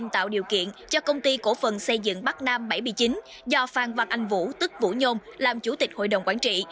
tạo điều kiện cho công ty cổ phần xây dựng bắc nam bảy mươi chín do phan văn anh vũ tức vũ nhôm làm chủ tịch hội đồng quản trị